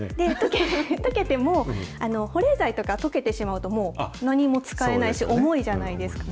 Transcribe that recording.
とけても、保冷剤とかとけてしまうと、もう何も使えないし、重いじゃないですか。